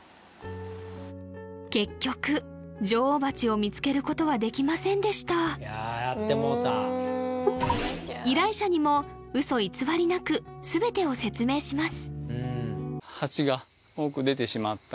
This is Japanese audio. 結局女王蜂を見つけることはできませんでしたいややってもうたうん依頼者にも嘘偽りなく全てを説明します